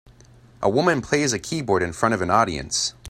A woman plays a keyboard in front of an audience.